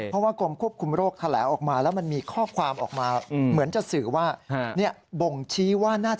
เพราะว่ากรมควบคุมโรคแถลออกมาแล้วมันมีข้อความออกมา